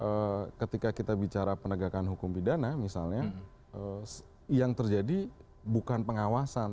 karena ketika kita bicara penegakan hukum pidana misalnya yang terjadi bukan pengawasan